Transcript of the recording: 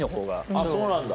あっそうなんだ。